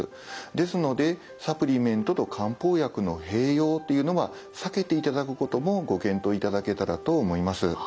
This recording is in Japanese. ですのでサプリメントと漢方薬の併用というのは避けていただくこともご検討いただけたらと思います。